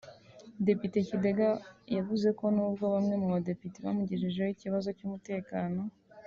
Depite Kidega yavuze ko nubwo bamwe mu badepite bamugejejeho ikibazo cy’umutekano